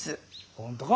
本当か？